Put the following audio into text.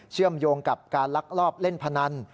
เชื่อมโยงกับการลักลอบเล่นพนัน